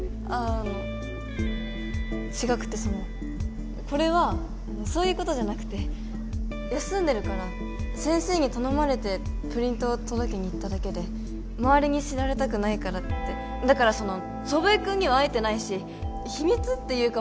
ああの違くてそのこれはそういうことじゃなくて休んでるから先生に頼まれてプリントを届けに行っただけで周りに知られたくないからってだからその祖父江君には会えてないし秘密っていうか